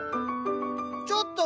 ちょっと！